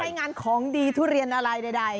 งานของดีทุเรียนอะไรใด